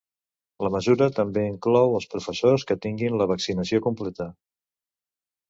La mesura també inclou els professors que tinguin la vaccinació completa.